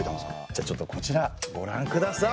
じゃあちょっとこちらごらんください。